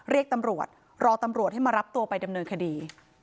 เรียกตำรวจรอตำรวจให้มารับตัวไปดำเนินคดี